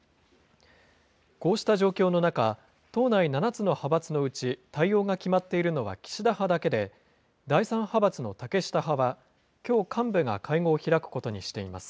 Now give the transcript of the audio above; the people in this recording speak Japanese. こうした状況の中、党内７つの派閥のうち対応が決まっているのは岸田派だけで、第３派閥の竹下派はきょう幹部が会合を開くことにしています。